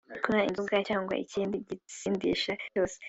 Kunywa inzoga cyangwa ikindi gisindisha cyose